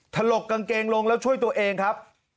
ถลกกางเกงลงแล้วช่วยตัวเองครับ